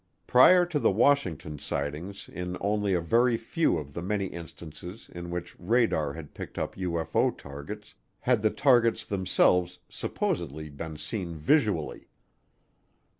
Prior to the Washington sightings in only a very few of the many instances in which radar had picked up UFO targets had the targets themselves supposedly been seen visually.